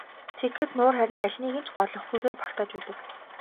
Тэгэхэд нуур харин алиныг нь ч голохгүйгээр багтааж байдаг.